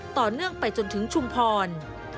ต่อเนื่องไปจนถึงชุมพร